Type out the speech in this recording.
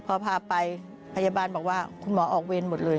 พอพาไปพยาบาลบอกว่าคุณหมอออกเวรหมดเลย